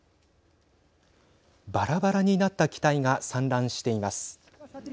ばらばらになった機体が散乱しています。